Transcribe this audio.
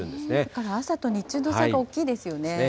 これ、朝と日中の差が大きいですよね。